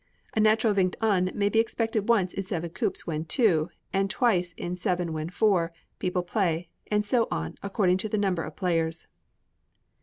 A natural Vingt un may be expected once in seven coups when two, and twice in seven when four, people play, and so on, according to the number of players.